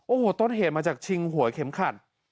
โอ้โหต้นเหตุมาจากชิงหวยเข็มขัด